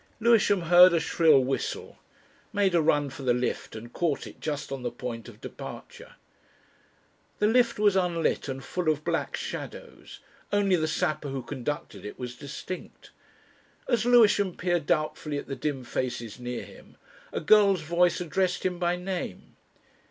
Lewisham heard a shrill whistle, made a run for the lift and caught it just on the point of departure. The lift was unlit and full of black shadows; only the sapper who conducted it was distinct. As Lewisham peered doubtfully at the dim faces near him, a girl's voice addressed him by name.